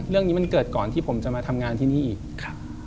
เรื่องนี้มันเกิดก่อนที่ผมจะมาทำงานที่นี่อีกครับ